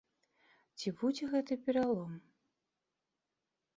Ці будзе гэты пералом?